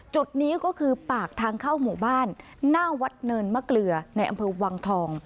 จุดนี้ก็คือปากทางเข้าหมู่บ้านหน้าวัดเนินมะเกลือในอำเภอวังทอง